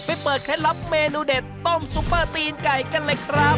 เปิดเคล็ดลับเมนูเด็ดต้มซุปเปอร์ตีนไก่กันเลยครับ